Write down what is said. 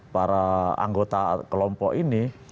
para anggota kelompok ini